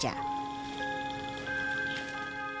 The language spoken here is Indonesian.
yang pentingnya membaca